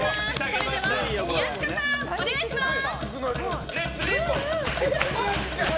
それでは宮近君、お願いします。